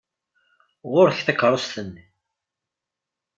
Ɣur-k takeṛṛust-nni!